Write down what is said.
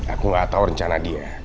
aku gak tau rencana dia